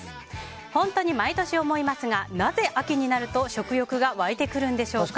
本当に毎年思いますがなぜ秋になると食欲が湧いてくるんでしょうか。